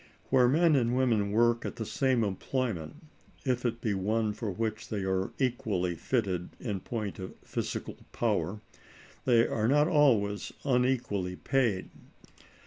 Where men and women work at the same employment, if it be one for which they are equally fitted in point of physical power, they are not always unequally paid.